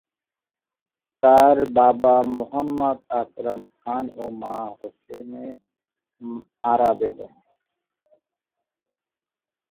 তার বাবা মোহাম্মদ আকরাম খান ও মা হোসনে আরা বেগম।